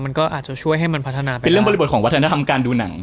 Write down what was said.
มันก็อาจจะช่วยให้มันพัฒนาเป็นเรื่องบริบทของวัฒนธรรมการดูหนัง